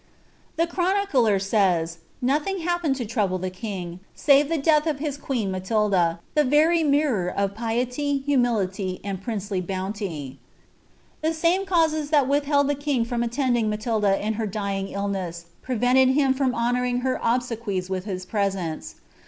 r chronicler says, ^Nothing happened to trouble the king, eath of his queen Matilda, the very mirror of piety, humility, »ly bounty." • me causes that had withheld the king from attending Matilda xig illness prevented him from honouring her obsequies witli nee.